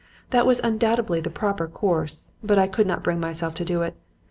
That was undoubtedly the proper course. But I could not bring myself to do it.